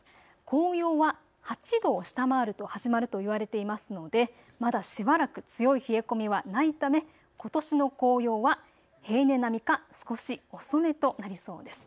紅葉は８度を下回ると始まると言われていますのでまだしばらく強い冷え込みはないため、ことしの紅葉は平年並みか少し遅めとなりそうです。